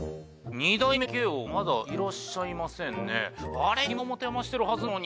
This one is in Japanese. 二代目イケ王まだいらっしゃいませんね。